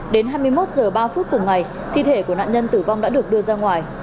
đến hai mươi một h ba cùng ngày thi thể của nạn nhân tử vong đã được đưa ra ngoài